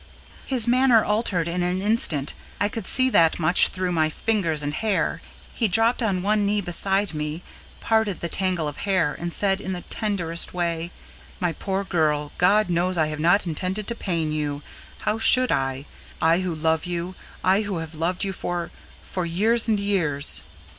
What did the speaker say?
His manner altered in an instant I could see that much through my fingers and hair. He dropped on one knee beside me, parted the tangle of hair, and said, in the tenderest way: My poor girl, God knows I have not intended to pain you. How should I? I who love you I who have loved you for for years and years!"